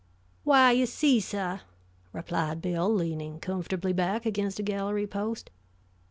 "Why, you see, suh," replied Bill, leaning comfortably back against a gallery post.